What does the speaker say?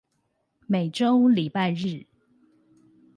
每週禮拜日